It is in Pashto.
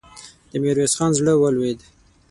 د ميرويس خان زړه ولوېد.